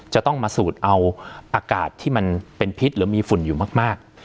จะต้องมาสูดเอาอากาศที่มันเป็นพิษหรือมีฝุ่นอยู่มาก